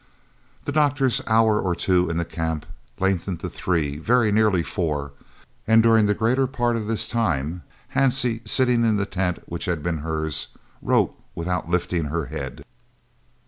The doctor's "hour or two in the Camp" lengthened to three, very nearly four, and during the greater part of this time Hansie, sitting in the tent which had been hers, wrote, without lifting her head.